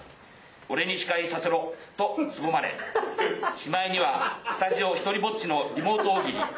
『俺に司会させろ』とすごまれしまいにはスタジオ独りぼっちのリモート「大喜利」。